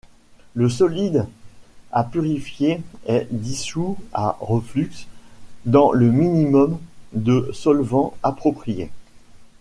Le solide à purifier est dissous à reflux dans le minimum de solvant approprié.